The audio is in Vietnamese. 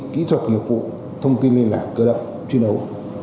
kỹ thuật nghiệp vụ thông tin liên lạc cơ động chuyên đấu